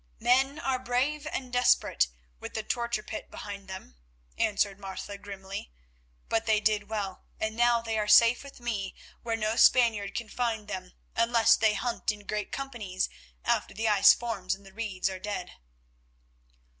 "Men are brave and desperate with the torture pit behind them," answered Martha grimly; "but they did well, and now they are safe with me where no Spaniard can find them unless they hunt in great companies after the ice forms and the reeds are dead."